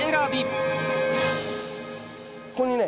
ここにね